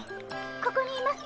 ここにいます。